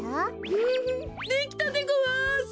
フフフできたでごわす。